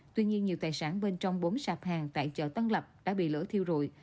tuy nhiên nhiều tài sản bên trong bốn sạp hàng tại chợ tân lập đã bị lỡ thiêu rụi